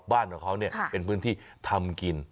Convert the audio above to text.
บ้านของเขาเป็นพื้นที่ทำกิน